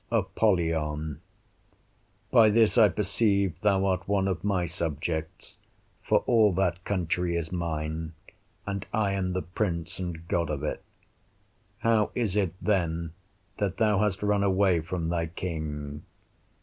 Apollyon By this I perceive thou art one of my subjects, for all that country is mine, and I am the prince and god of it. How is it then that thou hast run away from thy King?